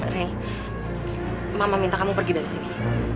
reh mama minta kamu pergi dari sini